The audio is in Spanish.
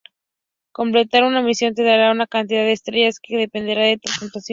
Completar una misión te dará una cantidad de estrellas que dependerá de tu puntuación.